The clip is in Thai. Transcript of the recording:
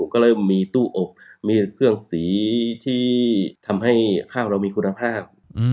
ก็เริ่มมีตู้อบมีเครื่องสีที่ทำให้ข้าวเรามีคุณภาพ